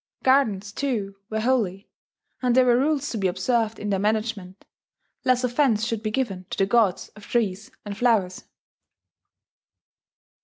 Gardens, too, were holy; and there were rules to be observed in their management, lest offence should be given to the gods of trees and flowers.